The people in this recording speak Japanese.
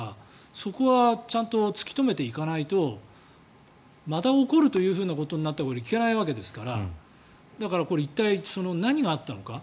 そこはちゃんと突き止めていかないとまた起こるということになったらいけないわけですからだから、一体、何があったのか。